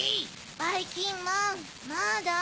ばいきんまんまだ？